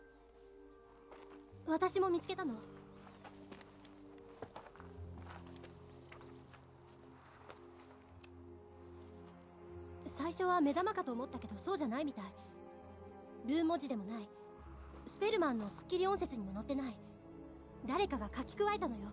私も見つけたの最初は目玉かと思ったけどそうじゃないみたいルーン文字でもないスペルマンのすっきり音節にも載ってない誰かが描き加えたのよ